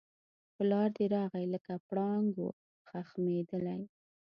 پلار دی راغی لکه پړانګ وو خښمېدلی